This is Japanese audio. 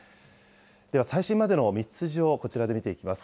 では、再審までの道筋をこちらで見ていきます。